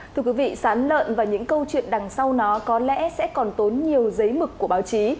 thưa quý vị sán lợn và những câu chuyện đằng sau nó có lẽ sẽ còn tốn nhiều giấy mực của báo chí